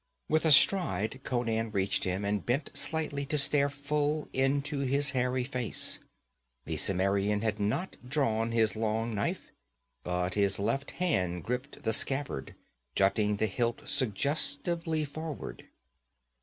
With a stride Conan reached him and bent slightly to stare full into his hairy face. The Cimmerian had not drawn his long knife, but his left hand grasped the scabbard, jutting the hilt suggestively forward.